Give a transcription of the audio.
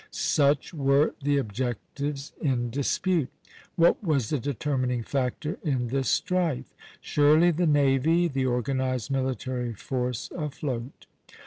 Such were the objectives in dispute. What was the determining factor in this strife? Surely the navy, the organized military force afloat.